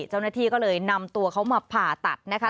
เจ้าหน้าที่ก็เลยนำตัวเขามาผ่าตัดนะคะ